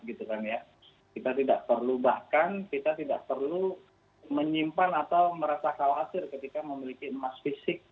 kita tidak perlu bahkan kita tidak perlu menyimpan atau merasa khawatir ketika memiliki emas fisik